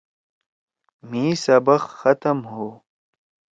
مھی سبق ختم ہُو۔